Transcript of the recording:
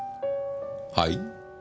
はい？